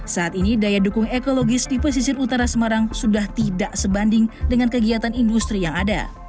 saat ini daya dukung ekologis di pesisir utara semarang sudah tidak sebanding dengan kegiatan industri yang ada